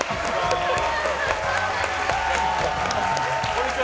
こんにちは。